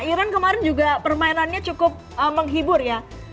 iran kemarin juga permainannya cukup menghibur ya